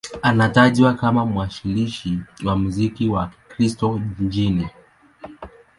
Anatajwa kama mwanzilishi wa muziki wa Kikristo nchini.